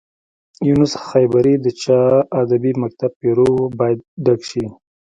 یونس خیبري د چا ادبي مکتب پيرو و باید ډک شي.